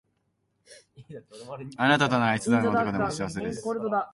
あなたとならいつでもどこでも幸せです